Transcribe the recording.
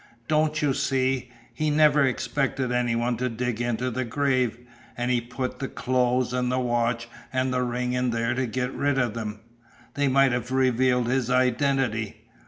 "Don't you see? He never expected any one to dig into the grave. And he put the clothes and the watch and the ring in there to get rid of them. They might have revealed his identity.